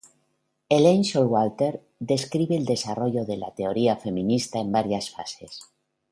Elaine Showalter describe el desarrollo de la teoría feminista en varias fases.